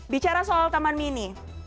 bicara soal taman mini